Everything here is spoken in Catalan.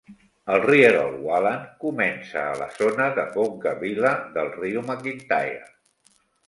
El rierol Whalan comença a la zona de Boggabilla, del riu McIntyre.